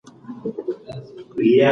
د بریا په لور لومړی ګام واخلئ.